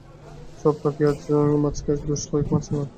সব পাখি মাছ খায়, দোষ হয় মাছরাঙার।